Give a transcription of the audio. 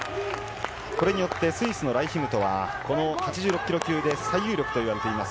これによってスイスのライヒムトは８６ｋｇ級で最有力と言われています。